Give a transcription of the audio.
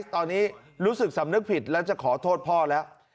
ตอนนี้รู้สึกสำนึกผิดแล้วจะขอโทษพ่อแล้ว